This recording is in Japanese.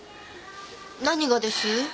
何がです？